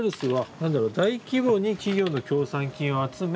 何だろ「大規模に企業の協賛金を集め」。